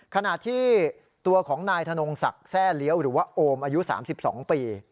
ขณะที่ตัวของนายธนงศักดิ์แทร่เลี้ยวหรือว่าโอมอายุ๓๒ปี